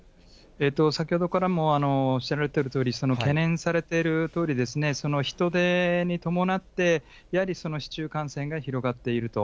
先ほどからもおっしゃられているとおり、懸念されているとおり、人出に伴って、やはり市中感染が広がっていると。